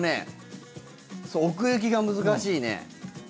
奥行きが難しいね。